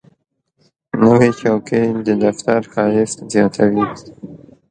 نوې چوکۍ د دفتر ښایست زیاتوي